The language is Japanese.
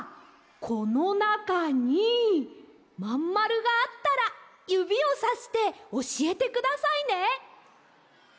このなかにまんまるがあったらゆびをさしておしえてくださいね！